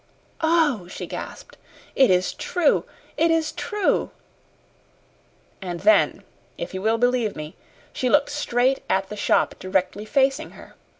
"Oh," she gasped, "it is true! It is true!" And then, if you will believe me, she looked straight at the shop directly facing her.